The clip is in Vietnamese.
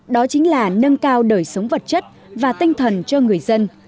đó chính là nâng cao đời sống vật chất và tinh thần cho người dân